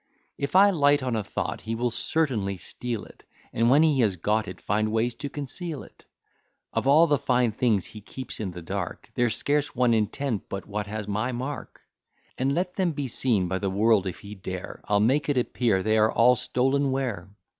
If I light on a thought, he will certainly steal it, And when he has got it, find ways to conceal it. Of all the fine things he keeps in the dark, There's scarce one in ten but what has my mark; And let them be seen by the world if he dare, I'll make it appear they are all stolen ware.